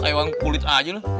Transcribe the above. kayak orang kulit aja lo